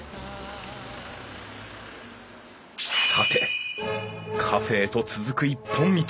さてカフェへと続く一本道。